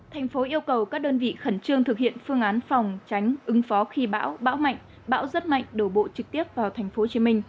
thành phố yêu cầu các đơn vị khẩn trương thực hiện phương án phòng tránh ứng phó khi bão bão mạnh bão rất mạnh đổ bộ trực tiếp vào tp hcm